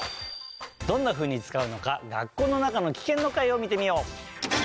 どんなふうにつかうのか「学校の中のキケン」の回を見てみよう。